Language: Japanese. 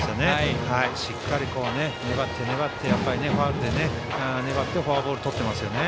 しっかりファウルで粘ってフォアボールをとってますね。